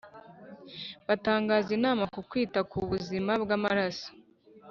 bagatanga inama ku kwita ku buzima bw amaso